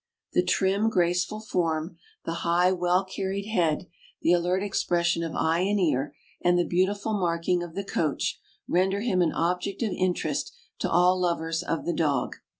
The trim, graceful form, the high, well carried head, the alert expression of eye and ear, and the beautiful marking of the Coach, render him an object of interest to all lovers of the dog.